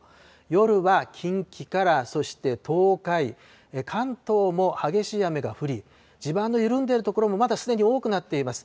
夜は近畿からそして東海、関東も激しい雨が降り、地盤の緩んでいる所も、またすでに多くなっています。